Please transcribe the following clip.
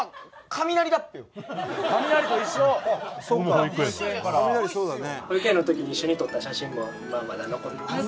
保育園⁉保育園の時に一緒に撮った写真も今まだ残ってます。